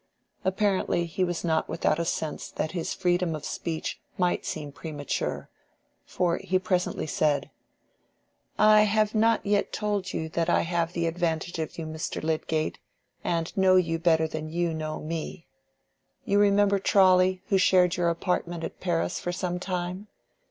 Apparently he was not without a sense that his freedom of speech might seem premature, for he presently said— "I have not yet told you that I have the advantage of you, Mr. Lydgate, and know you better than you know me. You remember Trawley who shared your apartment at Paris for some time?